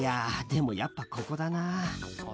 でもやっぱここだな。